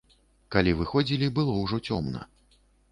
Калі выходзілі, было ўжо цёмна.